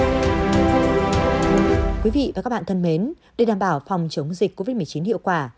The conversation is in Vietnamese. thưa quý vị và các bạn thân mến để đảm bảo phòng chống dịch covid một mươi chín hiệu quả